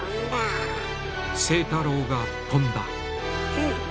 清太郎が飛んだ。